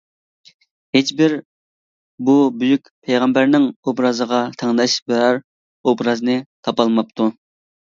ھېچبىر بۇ بۈيۈك پەيغەمبەرنىڭ ئوبرازىغا تەڭداش بىرەر ئوبرازنى تاپالماپتۇ.